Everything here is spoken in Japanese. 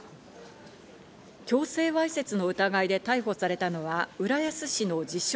強制わいせつの疑いで逮捕されたのは浦安市の自称